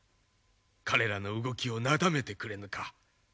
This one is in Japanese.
彼らの動きをなだめてくれぬか。